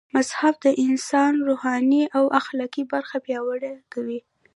مذهب د انسان روحاني او اخلاقي برخه پياوړي کوي